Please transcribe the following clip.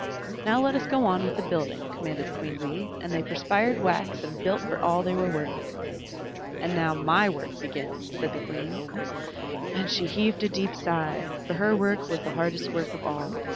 "Now let us go on with the building," commanded the Queen Bee, and they perspired wax and built for all they were worth. "And now my work begins," said the Queen, and she heaved a deep sigh; for her work was the hardest work of all.